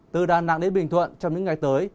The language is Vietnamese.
từ đà nẵng đến bình thuận trong những ngày tới